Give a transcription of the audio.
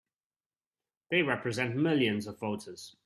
They represent millions of voters!